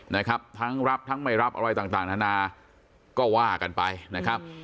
นะครับทั้งรับทั้งไม่รับอะไรต่างต่างนานาก็ว่ากันไปนะครับ